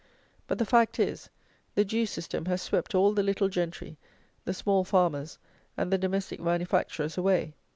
But, the fact is, the Jew system has swept all the little gentry, the small farmers, and the domestic manufacturers away.